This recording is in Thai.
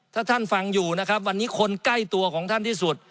ถ้าท่านฟังอยู่นะครับวันนี้คนใกล้ตัวของท่านที่สุด